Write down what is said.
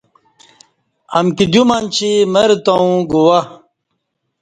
امکی دیو منچی مر تاوں گواہ